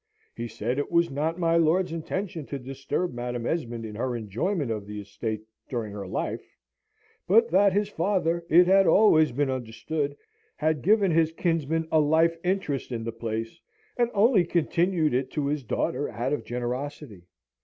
He said it was not my lord's intention to disturb Madam Esmond in her enjoyment of the estate during her life, but that his father, it had always been understood, had given his kinsman a life interest in the place, and only continued it to his daughter out of generosity.